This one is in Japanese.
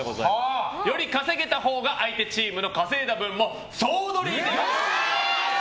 より稼げたほうが相手チームの稼いだ分も総どりできます！